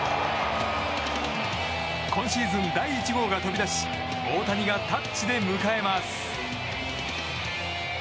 今シーズン第１号が飛び出し大谷がタッチで迎えます。